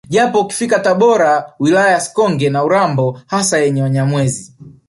Japo ukifika Tabora wilaya ya Sikonge na Urambo hasa yenye Wanyamwezi